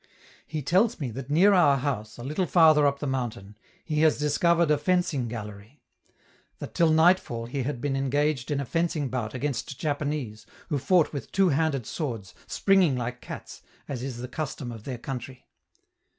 He tells me that near our house, a little farther up the mountain, he has discovered a fencing gallery: that till nightfall he had been engaged in a fencing bout against Japanese, who fought with two handed swords, springing like cats, as is the custom of their country.